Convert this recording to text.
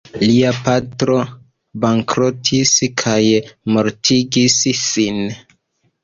Lia patro bankrotis kaj mortigis sin.